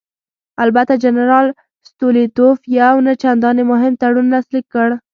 البته جنرال ستولیتوف یو نه چندانې مهم تړون لاسلیک کړ.